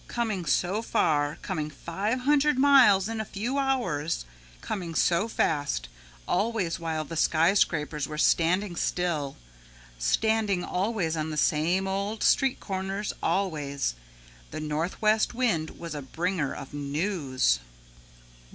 Coming so far, coming five hundred miles in a few hours, coming so fast always while the skyscrapers were standing still, standing always on the same old street corners always, the Northwest Wind was a bringer of news.